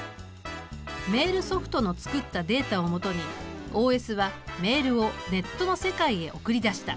メールソフトの作ったデータをもとにＯＳはメールをネットの世界へ送り出した。